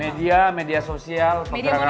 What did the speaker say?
media media sosial pergerakan